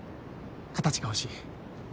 形が欲しい。